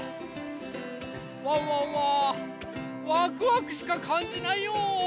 ワンワンはワクワクしかかんじないよ。